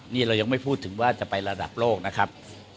นี่เรายังไม่พูดถึงว่าจะไประดับโลกนะครับ